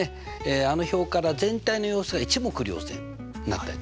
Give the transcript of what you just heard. あの表から全体の様子が一目瞭然になったりとかね